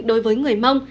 đối với người mông